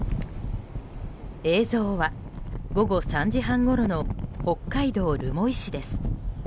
映像は午後３時半ごろの北海道留萌市です。